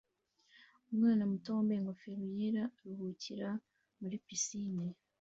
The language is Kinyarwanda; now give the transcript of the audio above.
Umwana muto wambaye ingofero yera aruhukira muri pisine